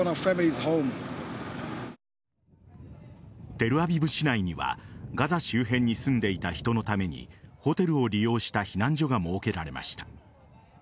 テルアビブ市内にはガザ周辺に住んでいた人のためにホテルを利用した避難所が設けられました。